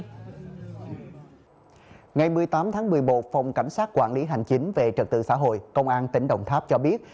ngày một mươi tám tháng một mươi một phòng cảnh sát quản lý hành chính về trật tự xã hội công an tỉnh đồng tháp cho biết